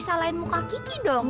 salahin muka kiki dong